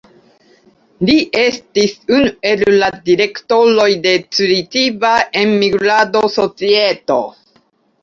Li estis unu el la direktoroj de Curitiba Enmigrado Societo.